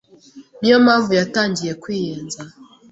Niyo mpamvu yatangiye kwiyenza